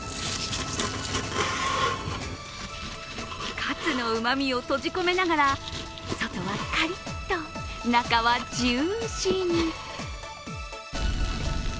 カツのうまみを閉じ込めながら外はカリッと、中はジューシーに。